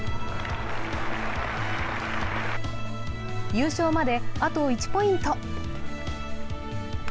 優勝まで、あと１ポイント。